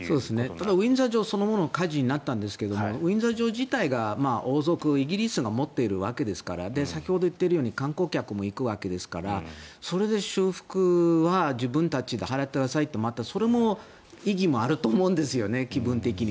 ただウィンザー城そのものは火事になったんですがウィンザー城は王族、イギリスが持っているわけですから先ほど言っているように観光客も行くわけですからそれでは修復は自分たちで払ってくださいってその意義もあると思うんですよね。